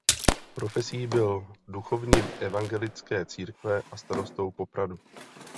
Profesí byl duchovním evangelické církve a starostou Popradu.